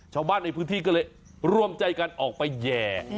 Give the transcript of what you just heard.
ชาวบ้านในพื้นที่ก็เลยร่วมใจกันออกไปแห่